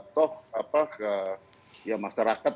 toh apa ya masyarakat